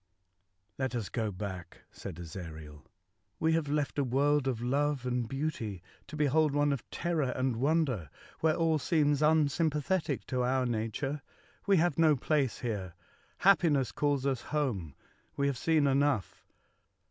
''T ET us go back," said Ezariel. "We have Li left a world of love and beauty to be hold one of terror and wonder, where all seems unsympathetic to our nature. We have no place here. Happiness calls us home. We have seen enough."